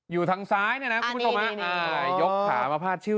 อยู่ทางซ้ายเนี่ยนะคุณผู้ชมฮะยกขามาพาดชื่อ